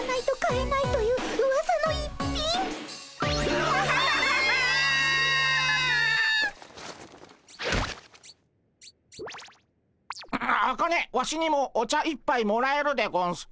アアカネワシにもお茶一杯もらえるでゴンスか？